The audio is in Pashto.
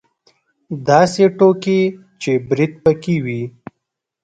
داسې ټوکې چې برید پکې وي.